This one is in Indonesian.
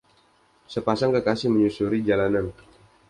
Sepasang kekasih menyusuri jalanan.